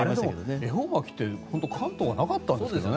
恵方巻きって関東はなかったんですよね。